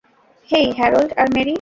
হেই, Harold আর Mary!